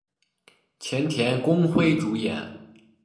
前田公辉主演。